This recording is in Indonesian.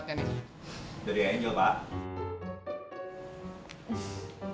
dari angel pak